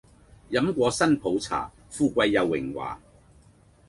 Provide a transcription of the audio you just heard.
飲過新抱茶，富貴又榮華